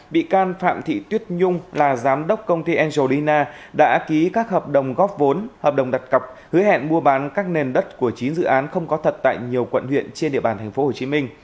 bị can phạm thị tuyết nhung là giám đốc công ty angelina đã ký các hợp đồng góp vốn hợp đồng đặt cọc hứa hẹn mua bán các nền đất của chín dự án không có thật tại nhiều quận huyện trên địa bàn tp hcm